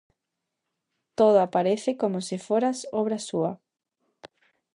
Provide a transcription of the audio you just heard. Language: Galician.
Todo aparece como se fora obra súa.